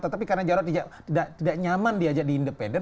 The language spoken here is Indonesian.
tetapi karena jarod tidak nyaman dia jadi independen